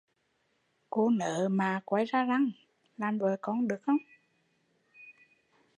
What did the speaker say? Cô nớ mạ coi ra răng, làm vợ con được không?